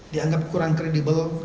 dianggap kurang kredibel